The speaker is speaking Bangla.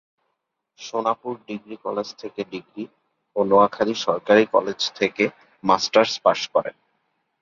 সোনাপুর ডিগ্রি কলেজ থেকে ডিগ্রী ও নোয়াখালী সরকারি কলেজ থেকে মাস্টার্স পাশ করেন।